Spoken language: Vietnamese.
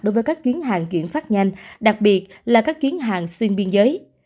đối với các chuyến hàng chuyển phát nhanh đặc biệt là các chuyến hàng xuyên biên giới